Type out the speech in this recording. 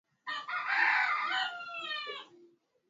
Jeshi la jamhuri ya kidemokrasia linasema limeua waasi kumi na moja